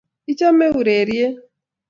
ichamet ureryet